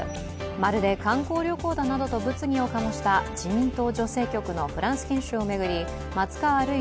まるで観光旅行だなどと物議を醸した自民党女性局のフランス研修を巡り松川るい